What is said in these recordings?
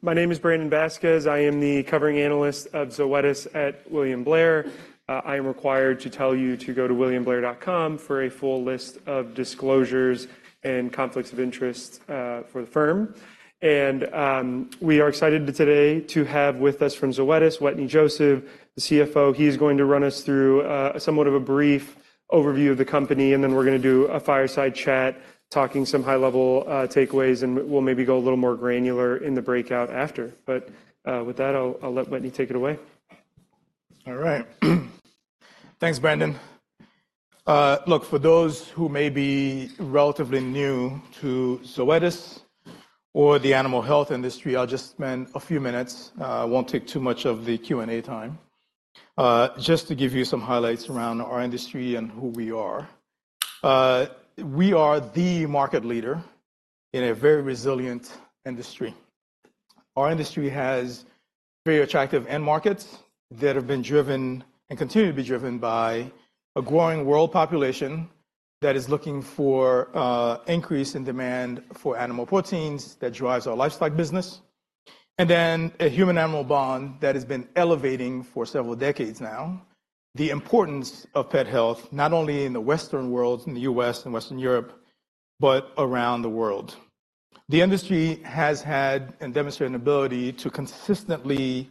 My name is Brandon Vazquez. I am the covering analyst of Zoetis at William Blair. I am required to tell you to go to williamblair.com for a full list of disclosures and conflicts of interest for the firm. We are excited today to have with us from Zoetis, Wetteny Joseph, the CFO. He's going to run us through somewhat of a brief overview of the company, and then we're gonna do a fireside chat, talking some high-level takeaways, and we'll maybe go a little more granular in the breakout after. With that, I'll let Wetteny take it away. All right. Thanks, Brandon. Look, for those who may be relatively new to Zoetis or the animal health industry, I'll just spend a few minutes, won't take too much of the Q&A time, just to give you some highlights around our industry and who we are. We are the market leader in a very resilient industry. Our industry has very attractive end markets that have been driven, and continue to be driven by a growing world population that is looking for, increase in demand for animal proteins that drives our livestock business, and then a human-animal bond that has been elevating for several decades now. The importance of pet health, not only in the Western world, in the U.S. and Western Europe, but around the world. The industry has had and demonstrated an ability to consistently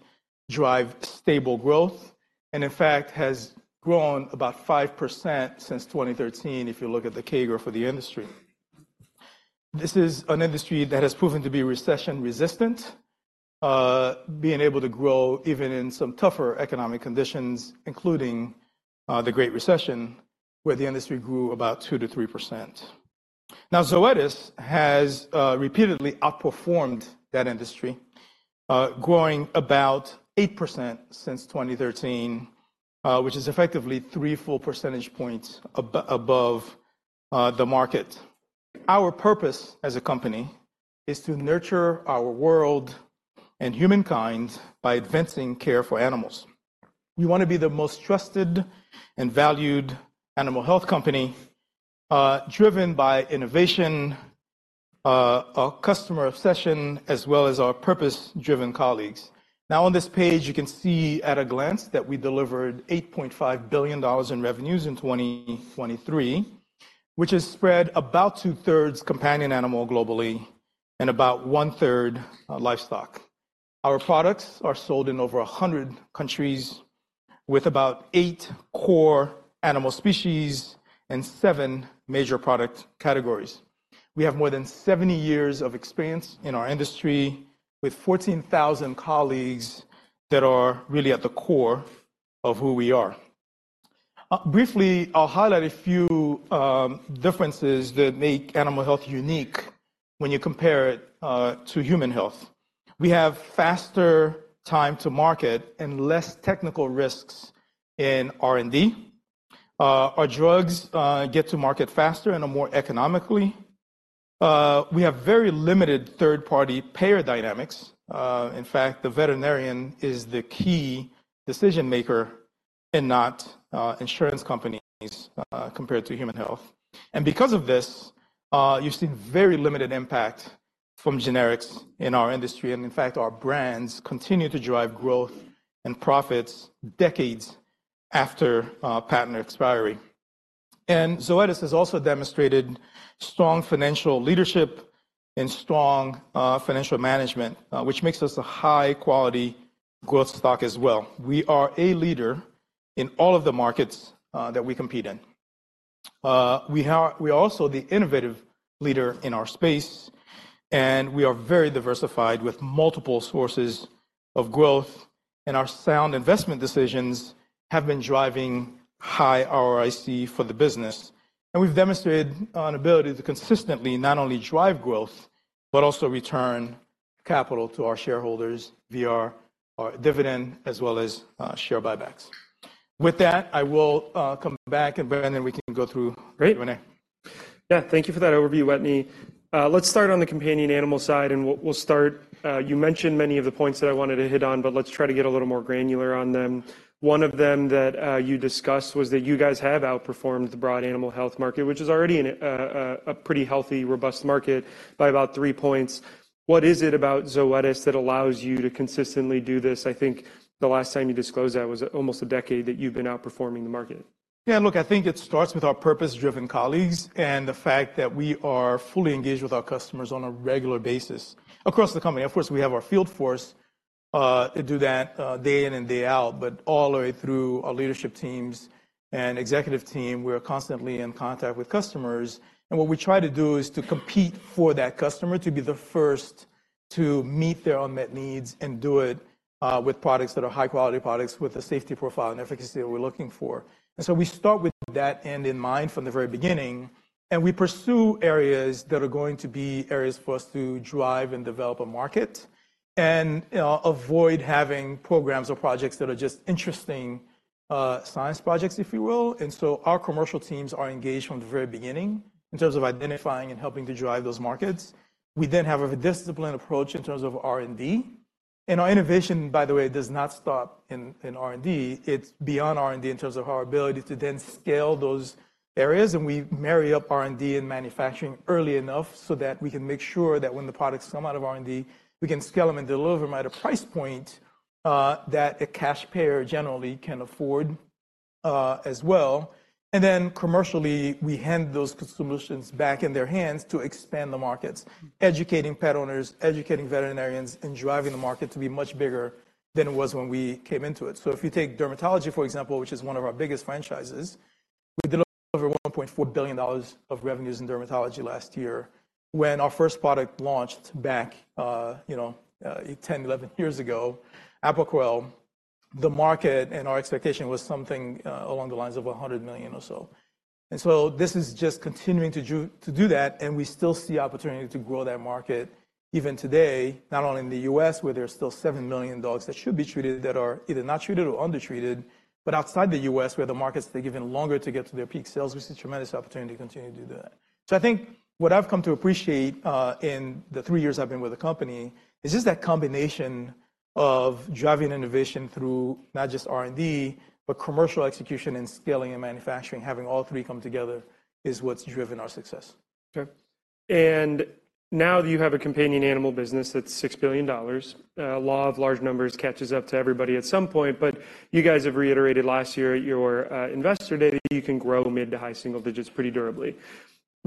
drive stable growth, and in fact, has grown about 5% since 2013, if you look at the CAGR for the industry. This is an industry that has proven to be recession-resistant, being able to grow even in some tougher economic conditions, including the Great Recession, where the industry grew about 2%-3%. Now, Zoetis has repeatedly outperformed that industry, growing about 8% since 2013, which is effectively three full percentage points above the market. Our purpose as a company is to nurture our world and humankind by advancing care for animals. We wanna be the most trusted and valued animal health company, driven by innovation, our customer obsession, as well as our purpose-driven colleagues. Now, on this page, you can see at a glance that we delivered $8.5 billion in revenues in 2023, which is spread about two-thirds companion animal globally and about one-third livestock. Our products are sold in over 100 countries with about 8 core animal species and 7 major product categories. We have more than 70 years of experience in our industry, with 14,000 colleagues that are really at the core of who we are. Briefly, I'll highlight a few differences that make animal health unique when you compare it to human health. We have faster time to market and less technical risks in R&D. Our drugs get to market faster and are more economically. We have very limited third-party payer dynamics. In fact, the veterinarian is the key decision-maker and not insurance companies compared to human health. And because of this, you see very limited impact from generics in our industry, and in fact, our brands continue to drive growth and profits decades after patent expiry. And Zoetis has also demonstrated strong financial leadership and strong financial management, which makes us a high-quality growth stock as well. We are a leader in all of the markets that we compete in. We are, we are also the innovative leader in our space, and we are very diversified with multiple sources of growth, and our sound investment decisions have been driving high ROIC for the business. And we've demonstrated an ability to consistently not only drive growth, but also return capital to our shareholders via our dividend as well as share buybacks. With that, I will come back, and, Brandon, we can go through- Great. Q&A. Yeah, thank you for that overview, Wetteny. Let's start on the companion animal side, and we'll start. You mentioned many of the points that I wanted to hit on, but let's try to get a little more granular on them. One of them that you discussed was that you guys have outperformed the broad animal health market, which is already in a pretty healthy, robust market, by about 3 points. What is it about Zoetis that allows you to consistently do this? I think the last time you disclosed that was almost a decade that you've been outperforming the market. Yeah, look, I think it starts with our purpose-driven colleagues and the fact that we are fully engaged with our customers on a regular basis across the company. Of course, we have our field force to do that day in and day out, but all the way through our leadership teams and executive team, we're constantly in contact with customers. And what we try to do is to compete for that customer, to be the first to meet their unmet needs and do it with products that are high-quality products with the safety profile and efficacy that we're looking for. So we start with that end in mind from the very beginning, and we pursue areas that are going to be areas for us to drive and develop a market, and, you know, avoid having programs or projects that are just interesting science projects, if you will. So our commercial teams are engaged from the very beginning in terms of identifying and helping to drive those markets. We then have a disciplined approach in terms of R&D. Our innovation, by the way, does not stop in R&D. It's beyond R&D in terms of our ability to then scale those areas, and we marry up R&D and manufacturing early enough so that we can make sure that when the products come out of R&D, we can scale them and deliver them at a price point that a cash payer generally can afford, as well. And then commercially, we hand those solutions back in their hands to expand the markets, educating pet owners, educating veterinarians, and driving the market to be much bigger than it was when we came into it. So if you take dermatology, for example, which is one of our biggest franchises, we did over $1.4 billion of revenues in dermatology last year. When our first product launched back, you know, 10, 11 years ago, Apoquel, the market and our expectation was something along the lines of $100 million or so. And so this is just continuing to do that, and we still see opportunity to grow that market even today, not only in the U.S., where there are still 7 million dogs that should be treated, that are either not treated or undertreated, but outside the U.S., where the markets take even longer to get to their peak sales, we see tremendous opportunity to continue to do that. So I think what I've come to appreciate, in the 3 years I've been with the company, is just that combination of driving innovation through not just R&D, but commercial execution and scaling and manufacturing. Having all three come together is what's driven our success. Okay, and now that you have a companion animal business that's $6 billion, law of large numbers catches up to everybody at some point. But you guys have reiterated last year at your investor day that you can grow mid- to high-single digits pretty durably. What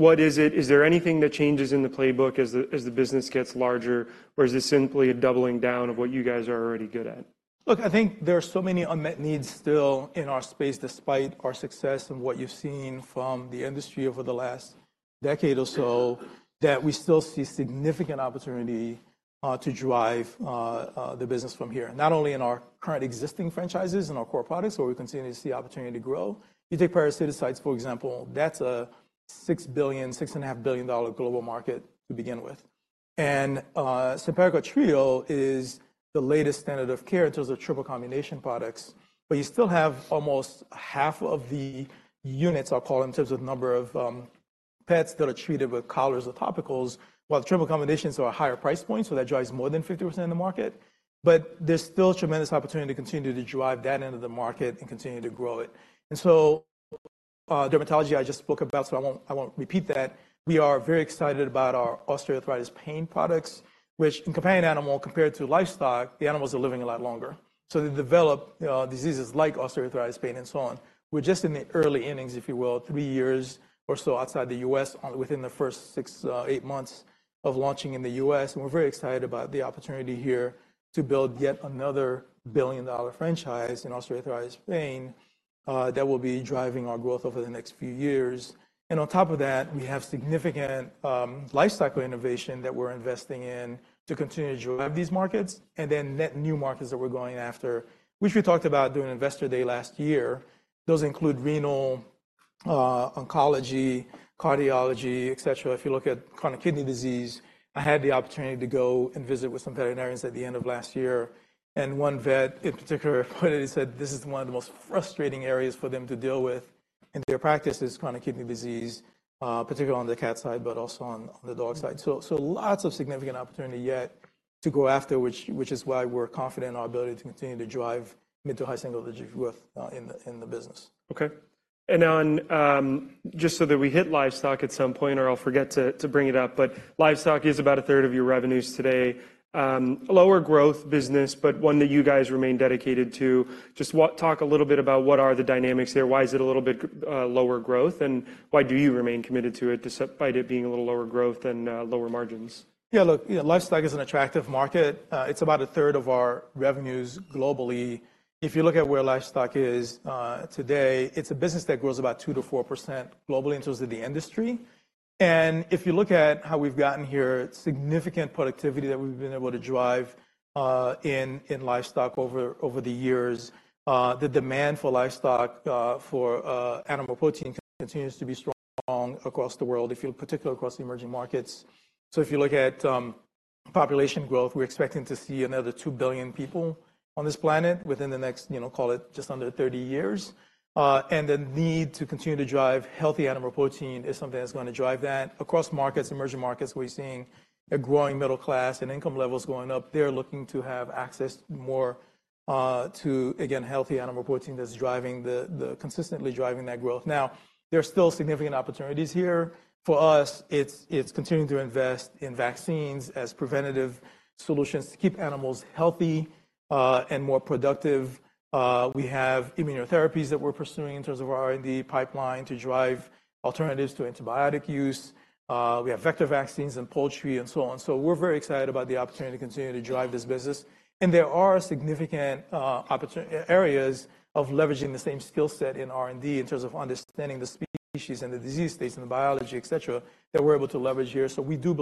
is it— Is there anything that changes in the playbook as the business gets larger, or is this simply a doubling down of what you guys are already good at? Look, I think there are so many unmet needs still in our space, despite our success and what you've seen from the industry over the last decade or so, that we still see significant opportunity to drive the business from here. Not only in our current existing franchises and our core products, where we continue to see opportunity to grow. You take parasiticides, for example, that's a $6 billion-$6.5 billion global market to begin with. And Simparica Trio is the latest standard of care in terms of triple combination products. But you still have almost half of the units are collars in terms of number of pets that are treated with collars or topicals. While the triple combinations are a higher price point, so that drives more than 50% of the market, but there's still tremendous opportunity to continue to drive that end of the market and continue to grow it. And so, dermatology I just spoke about, so I won't, I won't repeat that. We are very excited about our osteoarthritis pain products, which in companion animal, compared to livestock, the animals are living a lot longer. So they develop, diseases like osteoarthritis, pain, and so on. We're just in the early innings, if you will, 3 years or so outside the U.S., within the first 6-8 months of launching in the U.S. And we're very excited about the opportunity here to build yet another billion-dollar franchise in osteoarthritis pain, that will be driving our growth over the next few years. And on top of that, we have significant lifecycle innovation that we're investing in to continue to drive these markets and then net new markets that we're going after, which we talked about during Investor Day last year. Those include renal, oncology, cardiology, et cetera. If you look at chronic kidney disease, I had the opportunity to go and visit with some veterinarians at the end of last year, and one vet, in particular, pointed and said, "This is one of the most frustrating areas for them to deal with in their practice, is chronic kidney disease," particularly on the cat side, but also on the dog side. So lots of significant opportunity yet to go after, which is why we're confident in our ability to continue to drive mid to high single-digit growth in the business. Okay. And then, just so that we hit livestock at some point, or I'll forget to bring it up, but livestock is about a third of your revenues today. A lower growth business, but one that you guys remain dedicated to. Just talk a little bit about what are the dynamics there. Why is it a little bit lower growth, and why do you remain committed to it, despite it being a little lower growth and lower margins? Yeah, look, you know, livestock is an attractive market. It's about a third of our revenues globally. If you look at where livestock is today, it's a business that grows about 2%-4% globally in terms of the industry. And if you look at how we've gotten here, significant productivity that we've been able to drive in livestock over the years. The demand for livestock for animal protein continues to be strong across the world, particularly across the emerging markets. So if you look at population growth, we're expecting to see another 2 billion people on this planet within the next, you know, call it just under 30 years. And the need to continue to drive healthy animal protein is something that's gonna drive that. Across markets, emerging markets, we're seeing a growing middle class and income levels going up. They're looking to have access more to, again, healthy animal protein that's consistently driving that growth. Now, there are still significant opportunities here. For us, it's continuing to invest in vaccines as preventative solutions to keep animals healthy and more productive. We have immunotherapies that we're pursuing in terms of our R&D pipeline to drive alternatives to antibiotic use. We have vector vaccines and poultry and so on. So we're very excited about the opportunity to continue to drive this business, and there are significant areas of leveraging the same skill set in R&D in terms of understanding the species and the disease states and the biology, et cetera, that we're able to leverage here. So we do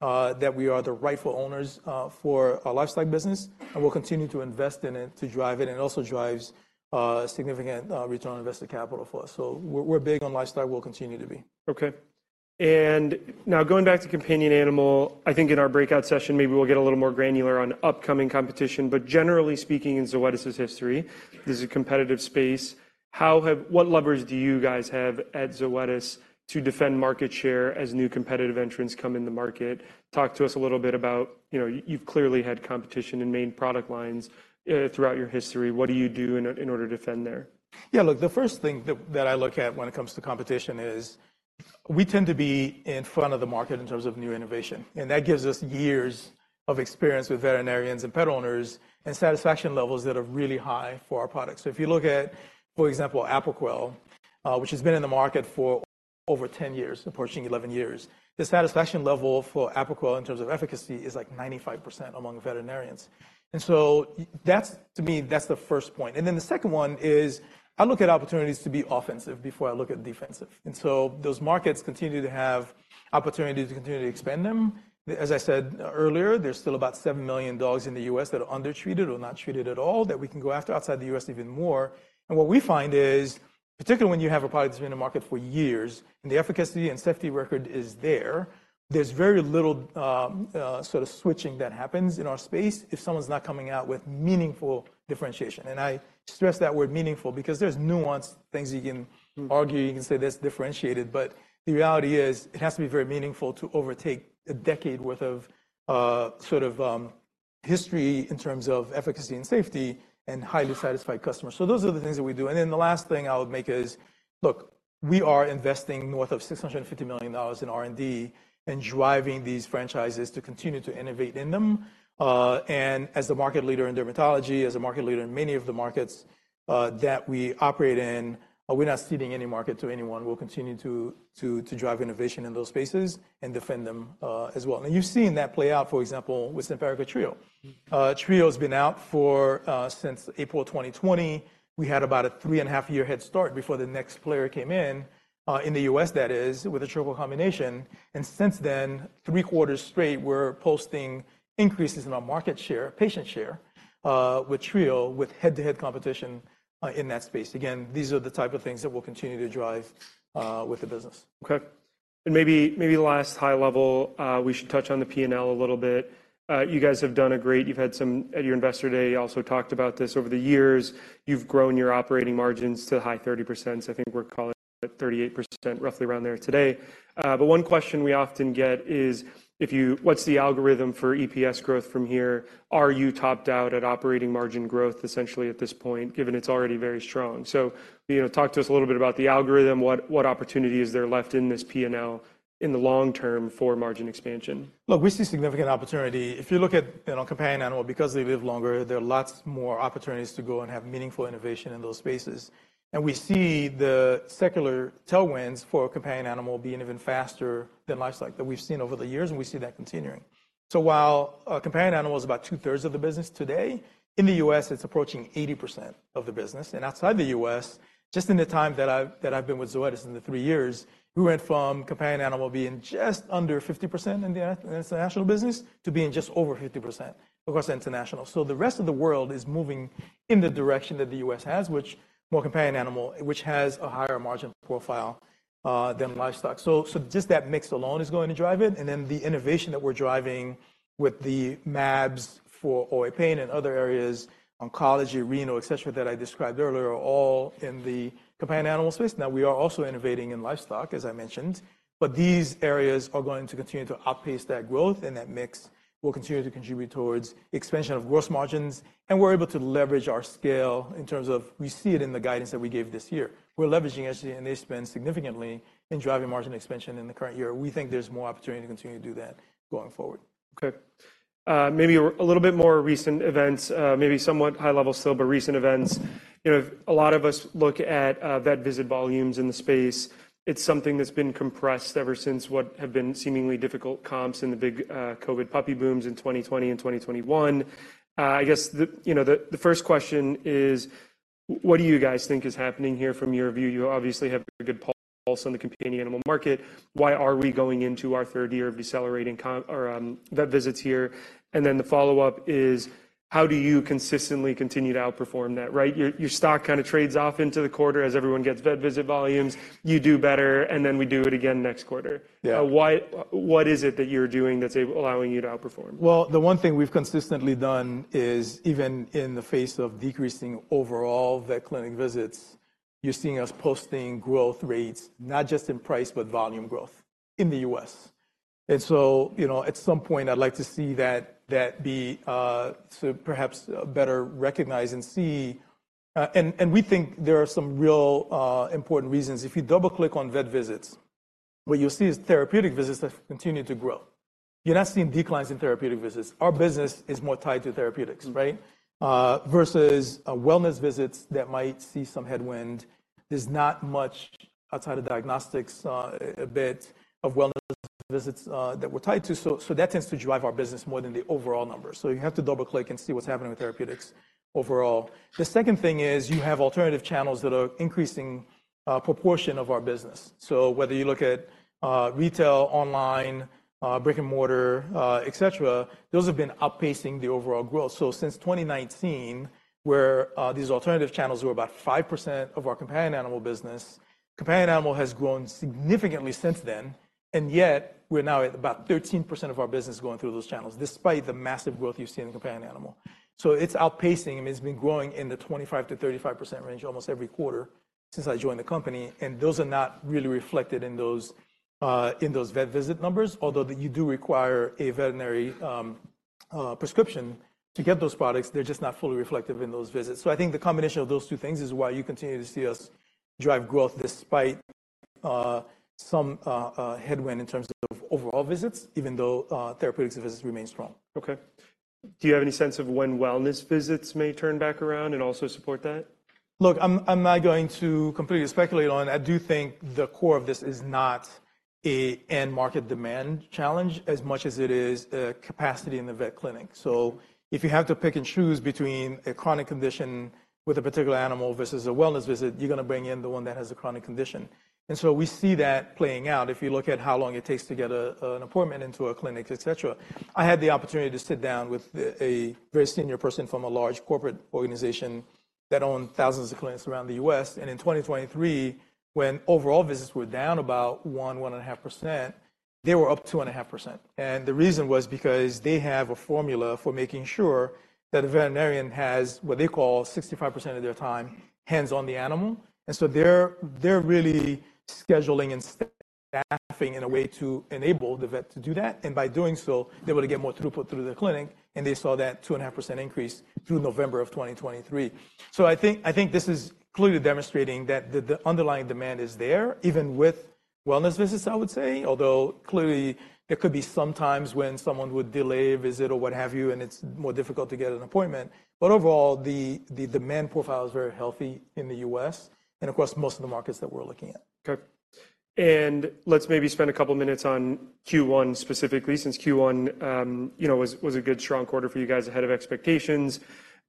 believe that we are the rightful owners for our livestock business, and we'll continue to invest in it to drive it. It also drives significant return on invested capital for us. So we're big on livestock, we'll continue to be. Okay. And now going back to companion animal, I think in our breakout session, maybe we'll get a little more granular on upcoming competition. But generally speaking, in Zoetis' history, this is a competitive space. What levers do you guys have at Zoetis to defend market share as new competitive entrants come in the market? Talk to us a little bit about, you know, you've clearly had competition in main product lines throughout your history. What do you do in order to defend there? Yeah, look, the first thing that I look at when it comes to competition is we tend to be in front of the market in terms of new innovation, and that gives us years of experience with veterinarians and pet owners, and satisfaction levels that are really high for our products. So if you look at, for example, Apoquel, which has been in the market for over 10 years, approaching 11 years, the satisfaction level for Apoquel in terms of efficacy is, like, 95% among veterinarians. And so that's, to me, that's the first point, and then the second one is I look at opportunities to be offensive before I look at defensive, and so those markets continue to have opportunities to continue to expand them. As I said earlier, there's still about 7 million dogs in the U.S. that are undertreated or not treated at all that we can go after, outside the U.S., even more. What we find is, particularly when you have a product that's been in the market for years, and the efficacy and safety record is there, there's very little, sort of switching that happens in our space if someone's not coming out with meaningful differentiation. I stress that word, "meaningful," because there's nuanced things you can argue. Mm. You can say that's differentiated, but the reality is it has to be very meaningful to overtake a decade worth of sort of history in terms of efficacy and safety and highly satisfied customers. So those are the things that we do. And then the last thing I would make is, look, we are investing north of $650 million in R&D and driving these franchises to continue to innovate in them. And as the market leader in dermatology, as a market leader in many of the markets that we operate in, we're not ceding any market to anyone. We'll continue to drive innovation in those spaces and defend them as well. And you've seen that play out, for example, with Simparica Trio. Trio's been out for since April 2020. We had about a 3.5-year head start before the next player came in, in the U.S. that is, with a triple combination, and since then, 3 quarters straight, we're posting increases in our market share, patient share, with Trio, with head-to-head competition, in that space. Again, these are the type of things that we'll continue to drive, with the business. Okay, and maybe, maybe last high level, we should touch on the P&L a little bit. You guys have done a great... At your Investor Day, you also talked about this. Over the years, you've grown your operating margins to high 30%. I think we're calling it 38%, roughly around there today. But one question we often get is, if you—what's the algorithm for EPS growth from here? Are you topped out at operating margin growth, essentially at this point, given it's already very strong? So, you know, talk to us a little bit about the algorithm. What, what opportunities are there left in this P&L in the long term for margin expansion? Look, we see significant opportunity. If you look at, you know, companion animal, because they live longer, there are lots more opportunities to go and have meaningful innovation in those spaces, and we see the secular tailwinds for companion animal being even faster than livestock that we've seen over the years, and we see that continuing. So while a companion animal is about two-thirds of the business today, in the U.S., it's approaching 80% of the business, and outside the U.S., just in the time that I've been with Zoetis, in the 3 years, we went from companion animal being just under 50% in the international business to being just over 50% across international. So the rest of the world is moving in the direction that the U.S. has, which more companion animal, which has a higher margin profile than livestock. So, just that mix alone is going to drive it, and then the innovation that we're driving with the mAbs for OA pain and other areas, oncology, renal, et cetera, that I described earlier, are all in the companion animal space. Now, we are also innovating in livestock, as I mentioned, but these areas are going to continue to outpace that growth, and that mix will continue to contribute toward expansion of gross margins. We're able to leverage our scale in terms of we see it in the guidance that we gave this year. We're leveraging SG&A spend significantly in driving margin expansion in the current year. We think there's more opportunity to continue to do that going forward. Okay, maybe a little bit more recent events, maybe somewhat high level still, but recent events. You know, a lot of us look at vet visit volumes in the space. It's something that's been compressed ever since what have been seemingly difficult comps in the big COVID puppy booms in 2020 and 2021. I guess you know the first question is: what do you guys think is happening here from your view? You obviously have a good pulse on the companion animal market. Why are we going into our third year of decelerating comp or vet visits here? And then the follow-up is, how do you consistently continue to outperform that, right? Your stock kind of trades off into the quarter as everyone gets vet visit volumes. You do better, and then we do it again next quarter. Yeah. What is it that you're doing that's allowing you to outperform? Well, the one thing we've consistently done is, even in the face of decreasing overall vet clinic visits, you're seeing us posting growth rates, not just in price, but volume growth in the U.S. And so, you know, at some point, I'd like to see that be sort of perhaps better recognized. And we think there are some real important reasons. If you double-click on vet visits, what you'll see is therapeutic visits that continue to grow. You're not seeing declines in therapeutic visits. Our business is more tied to therapeutics, right? Mm. Versus wellness visits that might see some headwind. There's not much outside of diagnostics, a bit of wellness visits, that we're tied to, so that tends to drive our business more than the overall numbers. So you have to double-click and see what's happening with therapeutics overall. The second thing is you have alternative channels that are increasing a proportion of our business. So whether you look at retail, online, brick-and-mortar, et cetera, those have been outpacing the overall growth. So since 2019, where these alternative channels were about 5% of our companion animal business, companion animal has grown significantly since then... and yet, we're now at about 13% of our business going through those channels, despite the massive growth you've seen in companion animal. So it's outpacing, and it's been growing in the 25%-35% range almost every quarter since I joined the company, and those are not really reflected in those, in those vet visit numbers. Although you do require a veterinary prescription to get those products, they're just not fully reflective in those visits. So I think the combination of those two things is why you continue to see us drive growth despite some headwind in terms of overall visits, even though therapeutics visits remain strong. Okay. Do you have any sense of when wellness visits may turn back around and also support that? Look, I'm not going to completely speculate on. I do think the core of this is not an end market demand challenge as much as it is a capacity in the vet clinic. So if you have to pick and choose between a chronic condition with a particular animal versus a wellness visit, you're gonna bring in the one that has a chronic condition, and so we see that playing out, if you look at how long it takes to get an appointment into a clinic, et cetera. I had the opportunity to sit down with a very senior person from a large corporate organization that owned thousands of clinics around the U.S., and in 2023, when overall visits were down about 1.5%, they were up 2.5%. The reason was because they have a formula for making sure that a veterinarian has what they call 65% of their time hands on the animal, and so they're, they're really scheduling and staffing in a way to enable the vet to do that. By doing so, they're able to get more throughput through the clinic, and they saw that 2.5% increase through November 2023. I think, I think this is clearly demonstrating that the, the underlying demand is there, even with wellness visits, I would say, although clearly there could be some times when someone would delay a visit or what have you, and it's more difficult to get an appointment. Overall, the, the demand profile is very healthy in the U.S. and across most of the markets that we're looking at. Okay, and let's maybe spend a couple minutes on Q1 specifically, since Q1, you know, was a good, strong quarter for you guys ahead of expectations.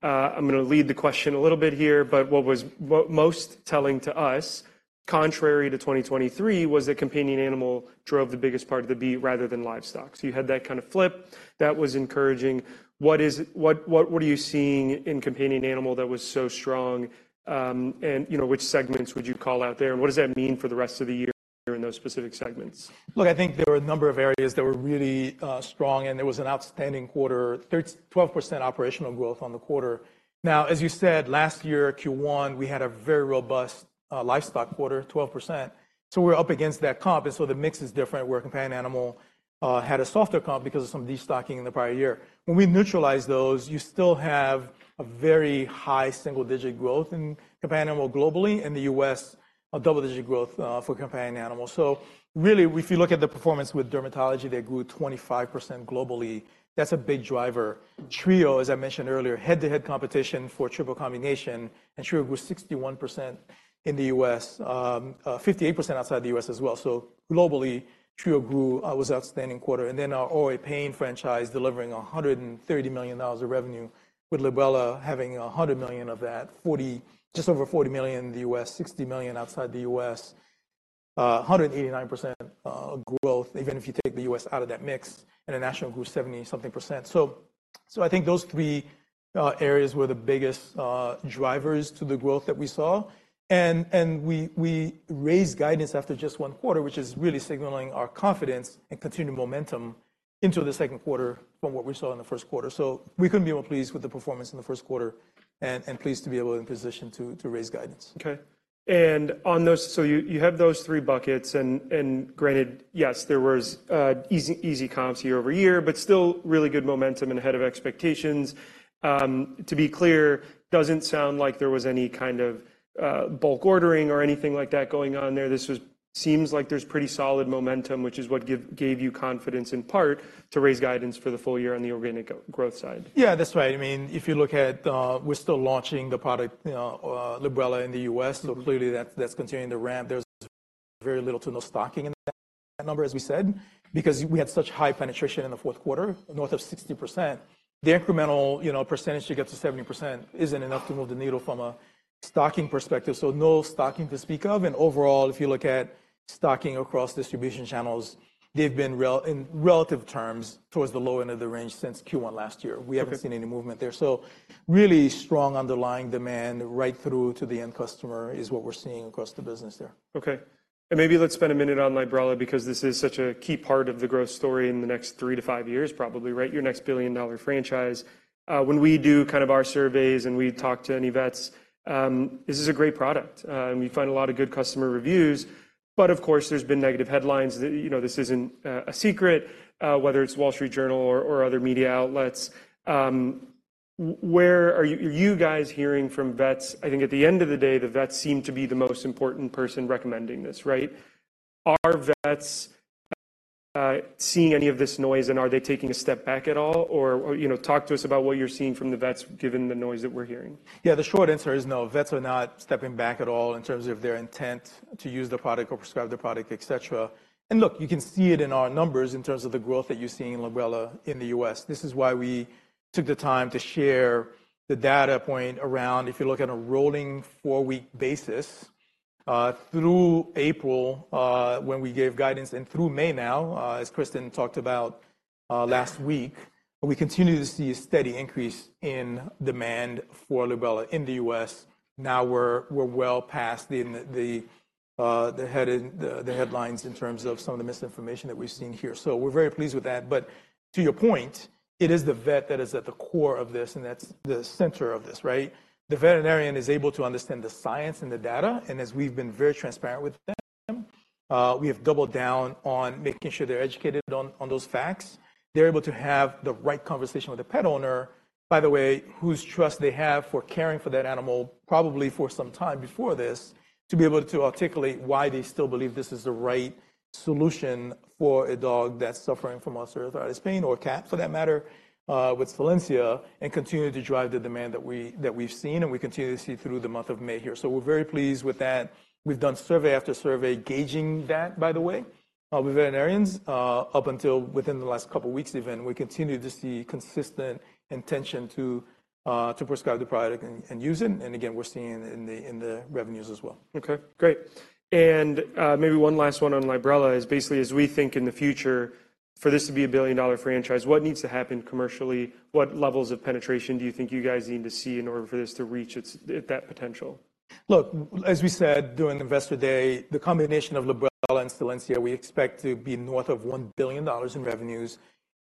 I'm gonna lead the question a little bit here, but what was most telling to us, contrary to 2023, was that Companion Animal drove the biggest part of the beat rather than Livestock. So you had that kind of flip. That was encouraging. What are you seeing in Companion Animal that was so strong? And, you know, which segments would you call out there, and what does that mean for the rest of the year in those specific segments? Look, I think there were a number of areas that were really strong, and it was an outstanding quarter, 12% operational growth on the quarter. Now, as you said, last year, Q1, we had a very robust livestock quarter, 12%, so we're up against that comp, and so the mix is different, where companion animal had a softer comp because of some destocking in the prior year. When we neutralize those, you still have a very high single-digit growth in companion animal globally, in the U.S., a double-digit growth for companion animals. So really, if you look at the performance with dermatology, they grew 25% globally. That's a big driver. Trio, as I mentioned earlier, head-to-head competition for triple combination, and Trio grew 61% in the U.S., 58% outside the U.S. as well. So globally, Trio grew... was outstanding quarter. And then our OA pain franchise delivering $130 million of revenue, with Librela having $100 million of that, just over $40 million in the U.S., $60 million outside the U.S. 189% growth, even if you take the U.S. out of that mix, international grew seventy-something%. So, so I think those three areas were the biggest drivers to the growth that we saw. And, and we, we raised guidance after just one quarter, which is really signaling our confidence and continued momentum into the second quarter from what we saw in the first quarter. So we couldn't be more pleased with the performance in the first quarter and, and pleased to be able and positioned to, to raise guidance. Okay, and on those... So you have those three buckets, and granted, yes, there was easy comps year-over-year, but still really good momentum and ahead of expectations. To be clear, doesn't sound like there was any kind of bulk ordering or anything like that going on there. This just seems like there's pretty solid momentum, which is what gave you confidence, in part, to raise guidance for the full year on the organic growth side. Yeah, that's right. I mean, if you look at, we're still launching the product, you know, Librela in the U.S., so clearly, that, that's continuing to ramp. There's very little to no stocking in that number, as we said, because we had such high penetration in the fourth quarter, north of 60%. The incremental, you know, percentage to get to 70% isn't enough to move the needle from a stocking perspective, so no stocking to speak of. And overall, if you look at stocking across distribution channels, they've been relatively in relative terms, towards the low end of the range since Q1 last year. Okay. We haven't seen any movement there. So really strong underlying demand right through to the end customer is what we're seeing across the business there. Okay, and maybe let's spend a minute on Librela, because this is such a key part of the growth story in the next 3-5 years, probably, right? Your next billion-dollar franchise. When we do kind of our surveys and we talk to any vets, this is a great product, and we find a lot of good customer reviews. But of course, there's been negative headlines that, you know, this isn't a secret, whether it's Wall Street Journal or other media outlets. Where are you guys hearing from vets? I think at the end of the day, the vets seem to be the most important person recommending this, right? Are vets seeing any of this noise, and are they taking a step back at all, or you know, talk to us about what you're seeing from the vets, given the noise that we're hearing? Yeah, the short answer is no. Vets are not stepping back at all in terms of their intent to use the product or prescribe the product, et cetera. And look, you can see it in our numbers in terms of the growth that you're seeing in Librela in the U.S. This is why we took the time to share the data point around if you look at a rolling four-week basis, through April, when we gave guidance, and through May now, as Kristin talked about last week, but we continue to see a steady increase in demand for Librela in the U.S. Now we're well past the headlines in terms of some of the misinformation that we've seen here. So we're very pleased with that. But to your point, it is the vet that is at the core of this, and that's the center of this, right? The veterinarian is able to understand the science and the data, and as we've been very transparent with them, we have doubled down on making sure they're educated on, on those facts. They're able to have the right conversation with the pet owner, by the way, whose trust they have for caring for that animal, probably for some time before this, to be able to articulate why they still believe this is the right solution for a dog that's suffering from osteoarthritis pain, or a cat, for that matter, with Solensia, and continue to drive the demand that we, that we've seen and we continue to see through the month of May here. So we're very pleased with that. We've done survey after survey gauging that, by the way, with veterinarians. Up until within the last couple of weeks even, we continue to see consistent intention to prescribe the product and, and use it, and again, we're seeing it in the revenues as well. Okay, great. And, maybe one last one on Librela is basically, as we think in the future, for this to be a billion-dollar franchise, what needs to happen commercially? What levels of penetration do you think you guys need to see in order for this to reach its, that potential? Look, as we said during Investor Day, the combination of Librela and Solensia, we expect to be north of $1 billion in revenues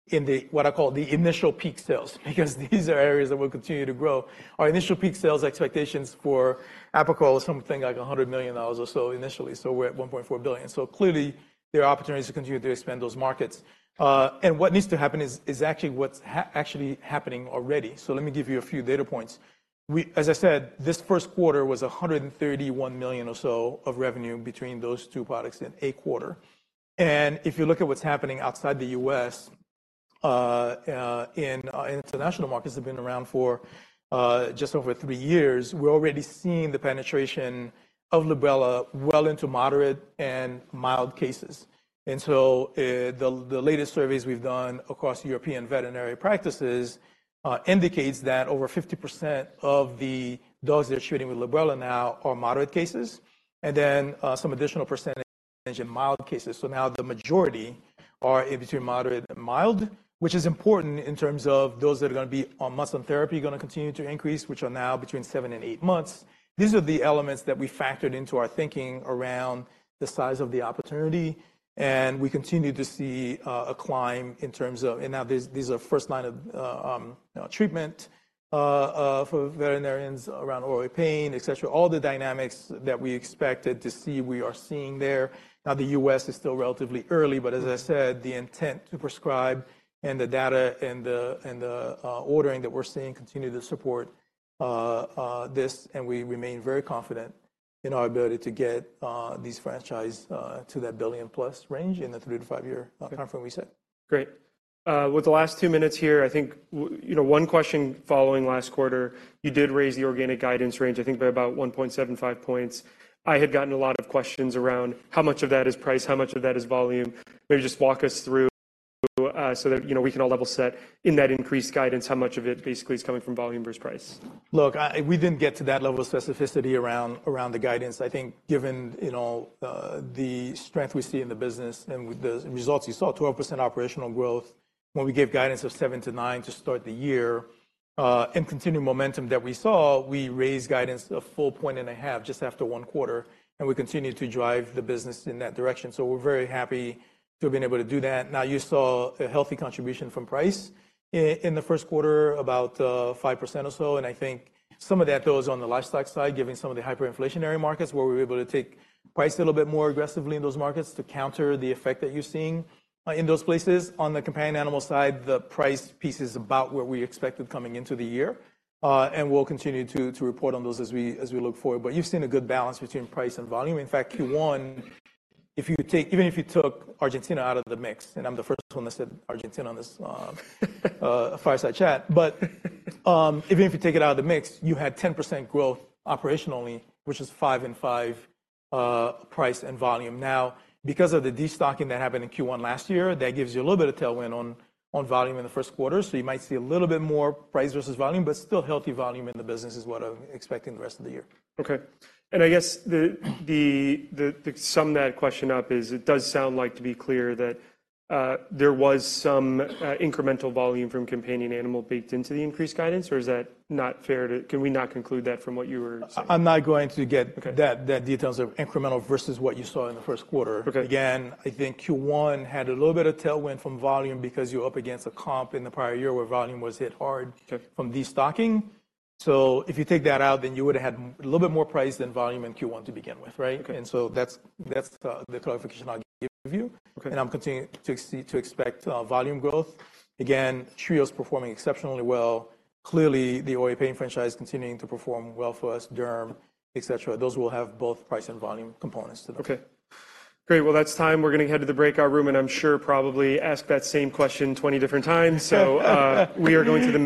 in the, what I call the initial peak sales, because these are areas that will continue to grow. Our initial peak sales expectations for Apoquel is something like $100 million or so initially, so we're at $1.4 billion. So clearly, there are opportunities to continue to expand those markets. And what needs to happen is actually what's actually happening already. So let me give you a few data points. As I said, this first quarter was $131 million or so of revenue between those two products in a quarter. And if you look at what's happening outside the U.S., in international markets that have been around for just over three years, we're already seeing the penetration of Librela well into moderate and mild cases. And so, the latest surveys we've done across European veterinary practices indicates that over 50% of the dogs they're treating with Librela now are moderate cases, and then some additional percentage in mild cases. So now the majority are in between moderate and mild, which is important in terms of those that are gonna be on muscle therapy, are gonna continue to increase, which are now between 7 and 8 months. These are the elements that we factored into our thinking around the size of the opportunity, and we continue to see a climb in terms of... Now, these, these are first line of treatment for veterinarians around OA pain, etc. All the dynamics that we expected to see, we are seeing there. Now, the U.S. is still relatively early, but as I said, the intent to prescribe and the data and the ordering that we're seeing continue to support this, and we remain very confident in our ability to get this franchise to that $1 billion-plus range in the 3-5-year time frame we set. Great. With the last two minutes here, I think, you know, one question following last quarter, you did raise the organic guidance range, I think, by about 1.75 points. I had gotten a lot of questions around how much of that is price, how much of that is volume. Maybe just walk us through, so that, you know, we can all level set in that increased guidance, how much of it basically is coming from volume versus price? Look, we didn't get to that level of specificity around the guidance. I think, given, you know, the strength we see in the business and with the results you saw, 12% operational growth, when we gave guidance of 7%-9% to start the year, and continued momentum that we saw, we raised guidance a full point and a half just after one quarter, and we continue to drive the business in that direction. So we're very happy to have been able to do that. Now, you saw a healthy contribution from price in the first quarter, about 5% or so, and I think some of that, though, is on the livestock side, given some of the hyperinflationary markets, where we were able to take price a little bit more aggressively in those markets to counter the effect that you're seeing in those places. On the companion animal side, the price piece is about where we expected coming into the year. We'll continue to report on those as we look forward. But you've seen a good balance between price and volume. In fact, Q1, even if you took Argentina out of the mix, and I'm the first one that said Argentina on this Fireside Chat. But even if you take it out of the mix, you had 10% growth operationally, which is 5 and 5, price and volume. Now, because of the destocking that happened in Q1 last year, that gives you a little bit of tailwind on volume in the first quarter, so you might see a little bit more price versus volume, but still healthy volume in the business is what I'm expecting the rest of the year. Okay. And I guess the, to sum that question up is, it does sound like, to be clear, that there was some incremental volume from companion animal baked into the increased guidance, or is that not fair to... Can we not conclude that from what you were saying? I'm not going to get- Okay ...that, the details of incremental versus what you saw in the first quarter. Okay. Again, I think Q1 had a little bit of tailwind from volume because you're up against a comp in the prior year where volume was hit hard- Okay... from destocking. So if you take that out, then you would've had a little bit more price than volume in Q1 to begin with, right? Okay. So that's the clarification I'll give you. Okay. I'm continuing to expect volume growth. Again, Trio's performing exceptionally well. Clearly, the OA pain franchise continuing to perform well for us, derm, etc. Those will have both price and volume components to them. Okay. Great, well, that's time. We're gonna head to the breakout room, and I'm sure probably ask that same question 20 different times. So, we are going to do-